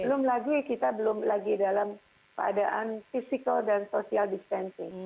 belum lagi kita belum lagi dalam keadaan physical dan social distancing